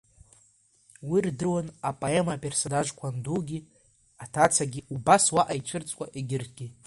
Уи рдыруан апоема аперсонажқәа андугьы, аҭацагьы, убас уаҟа ицәырҵуа егьырҭгьы.